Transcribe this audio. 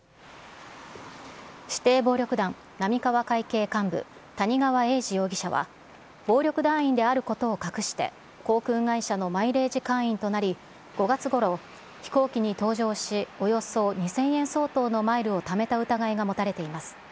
指定暴力団浪川会系幹部、谷川英二容疑者は、暴力団員であることを隠して、航空会社のマイレージ会員となり、５月ごろ、飛行機に搭乗し、およそ２０００円相当のマイルをためた疑いが持たれています。